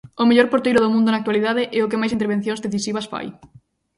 O mellor porteiro do mundo na actualidade e o que máis intervencións decisivas fai.